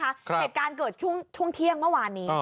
เหตุการณ์เกิดช่วงเที่ยงเมื่อวานนี้